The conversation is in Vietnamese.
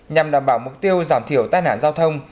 nhằm đảm bảo mục tiêu giảm thiểu tai nạn giao thông